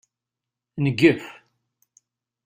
Ngef.